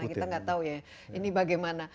kita nggak tahu ya ini bagaimana